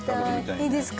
いいですか？